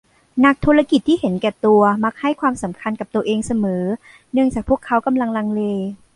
นักธุรกิจที่เห็นแก่ตัวมักให้ความสำคัญกับตัวเองเสมอเนื่องจากพวกเขากำลังลังเล